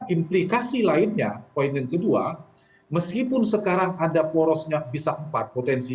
implikasi lainnya poin yang kedua meskipun sekarang ada porosnya bisa empat potensi